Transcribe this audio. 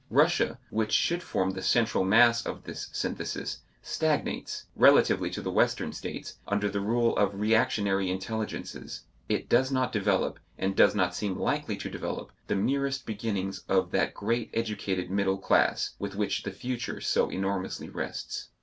Russia, which should form the central mass of this synthesis, stagnates, relatively to the Western states, under the rule of reactionary intelligences; it does not develop, and does not seem likely to develop, the merest beginnings of that great educated middle class, with which the future so enormously rests.